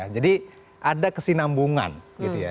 jadi ada kesinambungan gitu ya